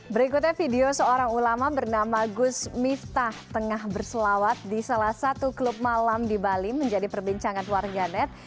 berikutnya video seorang ulama bernama gus miftah tengah berselawat di salah satu klub malam di bali menjadi perbincangan warganet